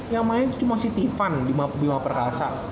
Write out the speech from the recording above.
yang main itu cuma si tivan di bima perkasa